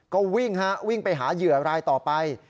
ก็วิ่งฮะวิ่งไปหาเหยื่อรายต่อไป